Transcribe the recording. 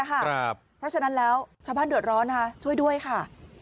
เพราะฉะนั้นแล้วชาวบ้านเดือดร้อนช่วยด้วยค่ะ